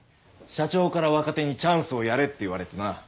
社長から若手にチャンスをやれって言われてな。